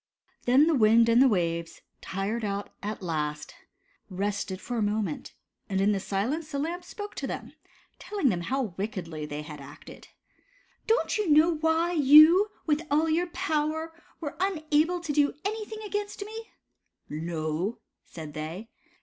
Then the wind and the waves, tired out at last, rested for a mo ment, and in the silence the Lamp spoke to them, telling them how wickedly they had acted. The Light House Lamp. 137 '* Don't you know why you, with all your power, were unable to do anything against me?" " No," said they.